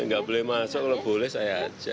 gak boleh masuk kalau boleh saya ajak